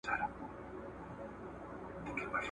اخلاقي دنده تر شخصي ګټې مهمه ګڼل کيږي.